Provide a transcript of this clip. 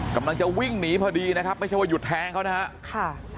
กำลังจะวิ่งหนีพอดีนะครับไม่ใช่ว่าหยุดแทงเขานะฮะค่ะ